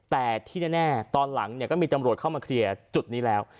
แต่ที่แน่ตอนหลังก็มีตำรวจเข้ามาเคลียร์จุดนี้แล้ว